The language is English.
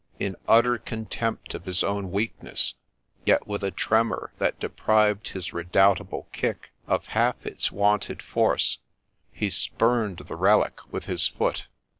In utter contempt of his own weakness, yet with a tremor that deprived his redoubtable kick of half its wonted force, he spurned the relic with his foot.